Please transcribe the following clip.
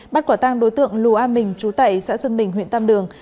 bắt quả tang đối tượng lùa mình chú tẩy xã sơn bình huyện tam đường